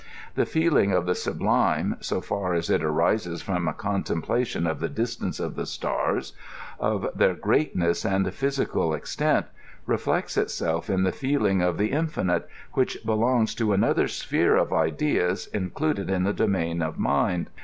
The feeling of the sublime, so far as it arises from a ccmtemplation of the distance of the stars, of their greatness and physical ex tent, reflects itself in the feeling d the infinite, which belongs to another Sj^ere of ideas included in the domain of mind.